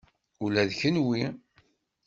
Ula d kenwi.